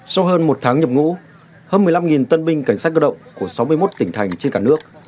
sau hơn một tháng nhập ngũ hơn một mươi năm tân binh cảnh sát cơ động của sáu mươi một tỉnh thành trên cả nước